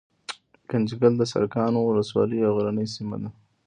ګنجګل دسرکاڼو ولسوالۍ يو غرنۍ سيمه ده